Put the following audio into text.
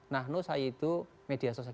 nahnu sayidu media sosial